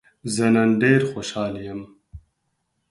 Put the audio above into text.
زه نن ډېر خوشحاله يم.